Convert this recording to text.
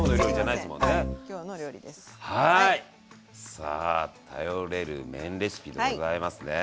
さあ頼れる麺レシピでございますね。